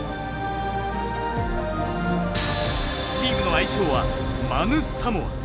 チームの愛称はマヌ・サモア。